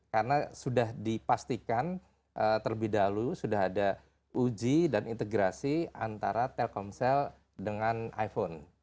karena sudah dipastikan terlebih dahulu sudah ada uji dan integrasi antara telkomsel dengan iphone